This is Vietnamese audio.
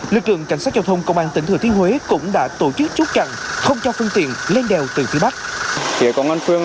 lực lượng cảnh sát giao thông công an tỉnh thừa thiên huế cũng đã tổ chức chốt chặn không cho phương tiện lên đèo từ phía bắc